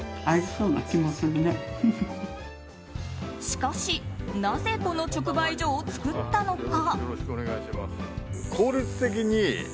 しかし、なぜこの直売所を作ったのか。